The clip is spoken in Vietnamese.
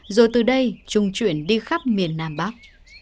rồi từ đây trùng chuyển đi khắp miền nam bắc